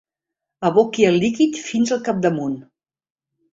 Aboqui el líquid fins al capdamunt.